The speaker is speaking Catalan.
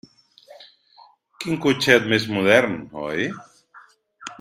Quin cotxet més modern, oi?